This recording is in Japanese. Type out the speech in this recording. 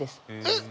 えっ！